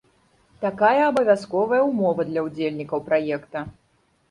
Такая абавязковая ўмова для ўдзельнікаў праекта.